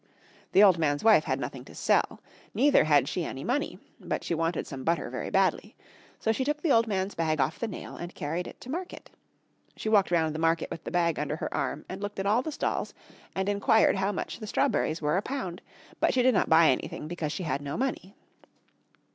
The old man's wife had nothing to sell. Neither had she any money. But she wanted some butter very badly. So she took the old man's bag off the nail and carried it to market. She walked round the market with the bag under her arm and looked at all the stalls and enquired how much the strawberries were a pound; but she did not buy anything because she had no money.